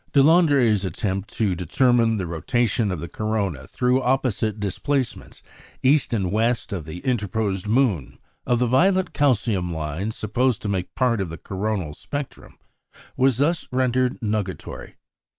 Deslandres' attempt to determine the rotation of the corona through opposite displacements, east and west of the interposed moon, of the violet calcium lines supposed to make part of the coronal spectrum, was thus rendered nugatory.